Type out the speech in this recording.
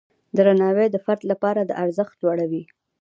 درناوی د فرد لپاره د ارزښت لوړوي.